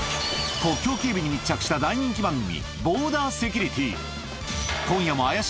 国境警備に密着した大人気番組